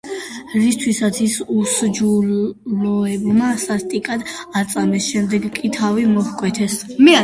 რისთვისაც ის უსჯულოებმა სასტიკად აწამეს, შემდეგ კი თავი მოჰკვეთეს.